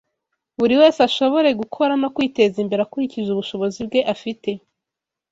buri wese ashobore gukora no kwiteza imbere akurikije ubushobozi bwe afite.